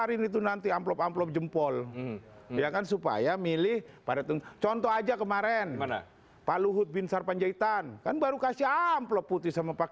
itu namanya dana kampanye